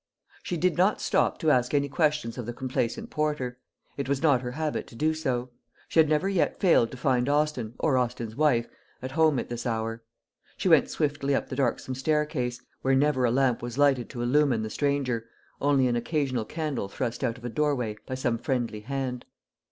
She did not stop to ask any questions of the complacent porter. It was not her habit to do so. She had never yet failed to find Austin, or Austin's wife, at home at this hour. She went swiftly up the darksome staircase, where never a lamp was lighted to illumine the stranger, only an occasional candle thrust out of a doorway by some friendly hand.